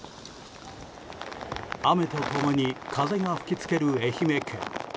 雨と共に風が吹きつける愛媛県。